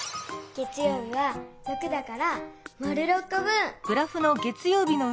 月よう日は６だから丸６こ分。